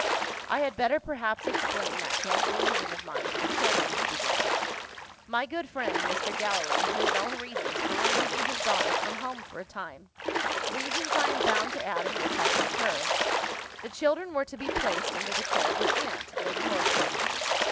"I had better, perhaps, explain that chance allusion of mine to the children," he began. "My good friend, Mr. Gallilee, had his own reasons for removing his daughters from home for a time reasons, I am bound to add, in which I concur. The children were to be placed under the care of their aunt, Lady Northlake.